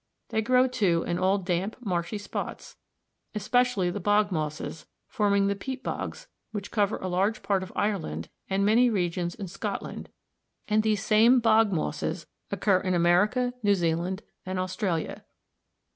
They grow, too, in all damp, marshy spots; especially the bog mosses forming the peat bogs which cover a large part of Ireland and many regions in Scotland; and these same bog mosses occur in America, New Zealand, and Australia.